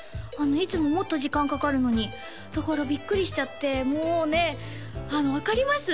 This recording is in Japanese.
いつももっと時間かかるのにだからビックリしちゃってもうねあの分かります？